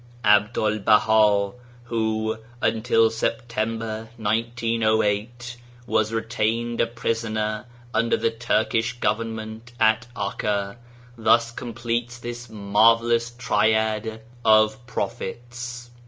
Abdul Baha, who until September 1908 was retained a pris oner under the Turkish Government at Akka, thus completes this marvellous triad of Prophets.